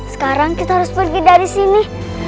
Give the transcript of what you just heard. sekarang kita harus pergi dari sini